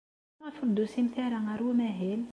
Maɣef ur d-tusimt ara ɣer umahil?